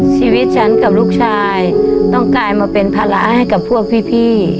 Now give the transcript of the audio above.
ชีวิตฉันกับลูกชายต้องกลายมาเป็นภาระให้กับพวกพี่